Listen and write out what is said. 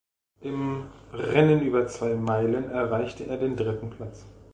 Im Rennen über zwei Meilen erreichte er den dritten Platz.